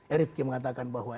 erifki mengatakan bahwa